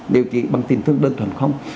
điều chỉ bằng tình thương đơn thuần không